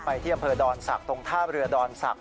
ที่อำเภอดอนศักดิ์ตรงท่าเรือดอนศักดิ